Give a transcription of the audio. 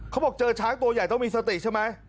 เขาบอกเจอช้างตัวใหญ่ต้องมีสติใช่ไหม